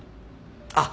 あっ。